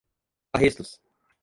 arrestos